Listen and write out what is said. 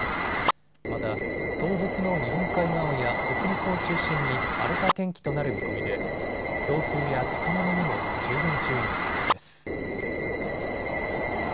また、東北の日本海側や北陸を中心に荒れた天気となる見込みで強風や高波にも十分注意が必要です。